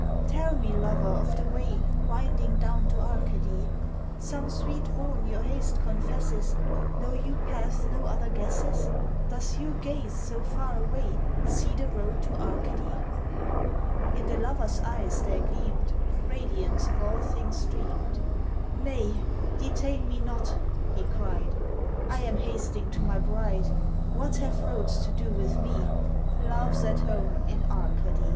Tell me, Lover, of the way Winding down to Arcady? Some sweet bourne your haste confesses Know you paths no other guesses? Does your gaze, so far away, See the road to Arcady? In the Lover's eyes there gleamed Radiance of all things dreamed "Nay, detain me not," he cried "I am hasting to my bride; What have roads to do with me, Love's at home in Arcady!"